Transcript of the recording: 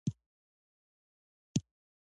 د کابل سیند له افغان کلتور سره نږدې تړاو لري.